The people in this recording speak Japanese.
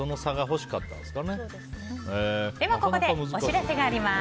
最初はここでお知らせがあります。